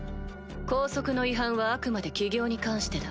校則の違反はあくまで起業に関してだ。